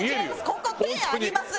ここ点あります。